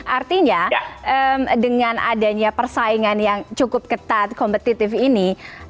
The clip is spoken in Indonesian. artinya dengan adanya persaingan yang cukup ketat kompetitif ini